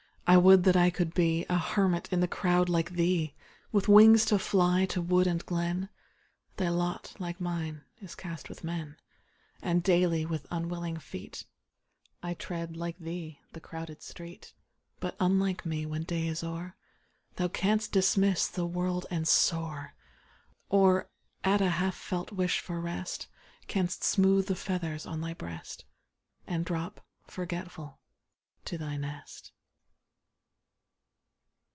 I would that I could be A hermit in the crowd like thee ! With wings to fly to wood and glen, Thy lot, like mine, is .cast with men; And daily, with unwilling feet, 1 tread, like thee, the crowded street ; But, unlike me, when day is o'er. Thou canst dismiss the world and soar, Or, at a half felt wish for rest. Canst smooth the feathers on thy breast, And drop, forgetful, to thy nest.